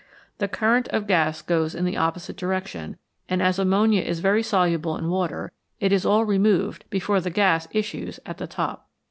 The current of gas goes in the opposite direction, and as ammonia is very soluble in water, it is all removed before the gas issues at the top.